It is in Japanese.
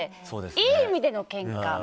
いい意味でのけんか。